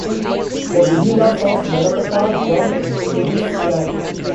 The Guhilas of Medapata belonged to this clan.